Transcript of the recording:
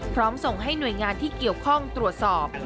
ส่งให้หน่วยงานที่เกี่ยวข้องตรวจสอบ